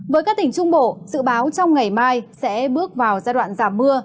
với các tỉnh trung bộ dự báo trong ngày mai sẽ bước vào giai đoạn giảm mưa